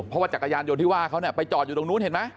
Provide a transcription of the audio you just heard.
มอเตอร์ไซค์๒คนนั้นจอดรออยู่ตรงนู้นเห็นไหม